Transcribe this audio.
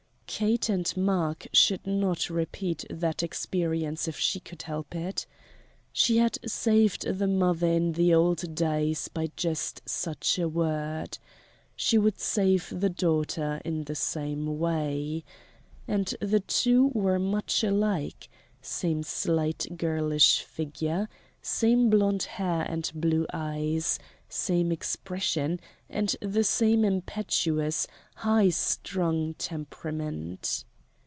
Kate and Mark should not repeat that experience if she could help it. She had saved the mother in the old days by just such a word. She would save the daughter in the same way. And the two were much alike same slight, girlish figure; same blond hair and blue eyes; same expression, and the same impetuous, high strung temperament.